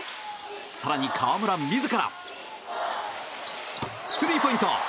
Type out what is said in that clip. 更に、河村自らスリーポイント！